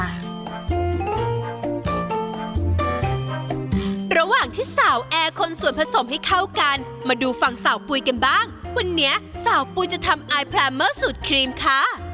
ระหว่างที่สาวแอร์คนส่วนผสมให้เข้ากันมาดูฝั่งสาวปุ๋ยกันบ้างวันนี้สาวปุ๋ยจะทำอายพราเมอร์สูตรครีมค่ะ